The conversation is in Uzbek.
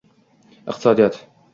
Iqtisodiyot